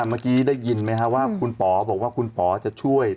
เมื่อกี้ได้ยินไหมครับว่าคุณป๋อบอกว่าคุณป๋อจะช่วย